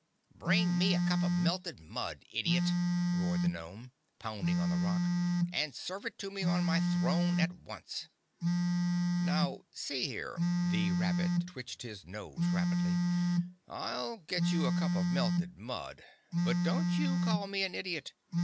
"Bring me a cup of melted mud, idiot!" roared the gnome, pounding on the rock. "And serve it to me on my throne at once!" "Now, see here," the rabbit twitched his nose rapidly, "I'll get you a cup of melted mud, but don't you call me an idiot.